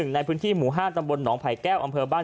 ในพื้นที่หมู่๕ตำบลหนองไผ่แก้วอำเภอบ้าน